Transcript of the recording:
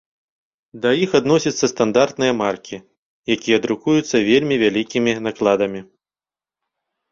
Да іх адносяцца стандартныя маркі, якія друкуюцца вельмі вялікімі накладамі.